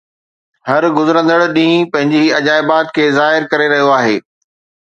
هر گذرندڙ ڏينهن پنهنجي عجائبات کي ظاهر ڪري رهيو آهي.